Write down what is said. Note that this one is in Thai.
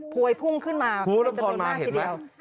พวยพุ่งขึ้นมามันจะโดนมากทีเดียว